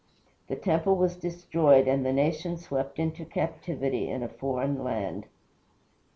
The temple was destroyed and the nation swept into captivity in a foreign land.